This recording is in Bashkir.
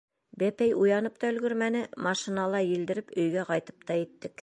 Бәпәй уянып та өлгөрмәне, машинала елдереп өйгә ҡайтып та еттек.